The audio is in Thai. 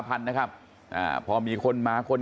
สวัสดีครับคุณผู้ชาย